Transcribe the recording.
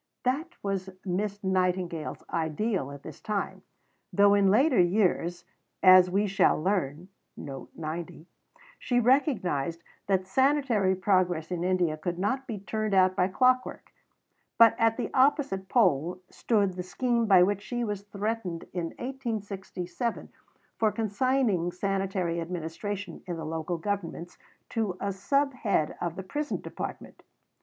That was Miss Nightingale's ideal at this time, though in later years, as we shall learn, she recognized that sanitary progress in India could not be turned out by clockwork; but at the opposite pole stood the scheme by which she was threatened in 1867 for consigning sanitary administration in the Local Governments to a sub head of the prison department.